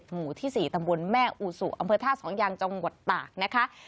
หมู่ที่๔ตำบลแม่อูสุอำเภอท่าสองยางจังหวัดตากนะคะ